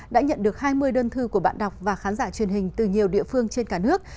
đã nhận được hai mươi đơn thư của bạn đọc và khán giả truyền hình từ nhiều địa phương trên cả nước